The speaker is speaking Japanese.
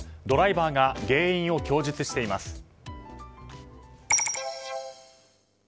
ドライバーが原因を供述しています。